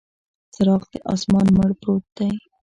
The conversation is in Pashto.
څراغ د اسمان، مړ پروت دی